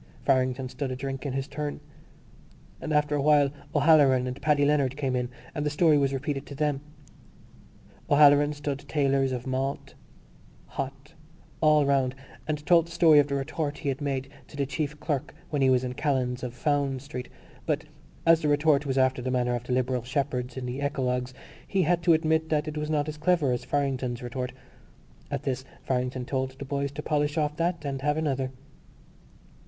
Farrington stood a drink in his turn. After a while O'Halloran and Paddy Leonard came in and the story was repeated to them. O'Halloran stood tailors of malt, hot, all round and told the story of the retort he had made to the chief clerk when he was in Callan's of Fownes's Street; but, as the retort was after the manner of the liberal shepherds in the eclogues, he had to admit that it was not as clever as Farrington's retort. At this Farrington told the boys to polish off that and have another.